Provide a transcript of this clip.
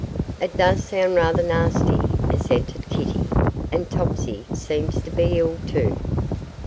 'It does sound rather nasty,' assented Kitty; 'and Topsy seems to be ill, too.